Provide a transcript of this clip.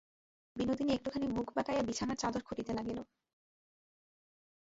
বিনোদিনী একটুখানি মুখ বাঁকাইয়া বিছানার চাদর খুঁটিতে লাগিল।